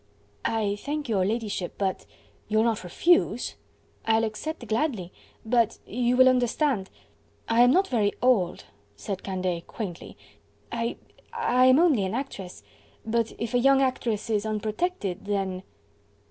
"I thank your ladyship, but..." "You'll not refuse?" "I'll accept gladly... but... you will understand... I am not very old," said Candeille quaintly, "I... I am only an actress... but if a young actress is unprotected... then..."